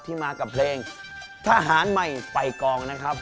มากับเพลงทหารใหม่ไฟกองนะครับ